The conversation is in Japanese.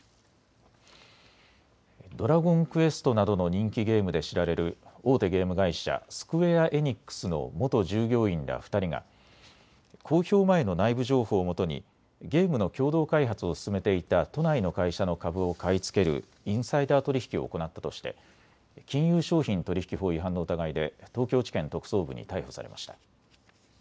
ドラゴンクエストなどの人気ゲームで知られる大手ゲーム会社、スクウェア・エニックスの元従業員ら２人が公表前の内部情報をもとにゲームの共同開発を進めていた都内の会社の株を買い付けるインサイダー取引を行ったとして金融商品取引法違反の疑いで東京地検特捜部に逮捕されました。